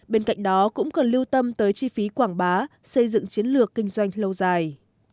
bên cạnh đó cũng cần lưu tâm tới chi phí quảng bá xây dựng chiến lược kinh doanh lâu dài